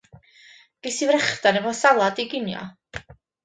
Ges i frechdan efo salad i ginio.